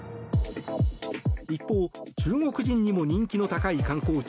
一方、中国人にも人気の高い観光地